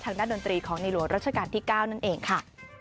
ทางด้านดนตรีของนิหลวงรัชกาลที่๙นั่นเองค่ะ